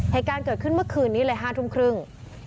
เหตุการณ์เกิดขึ้นเมื่อคืนนี้เลย๕ทุ่มครึ่ง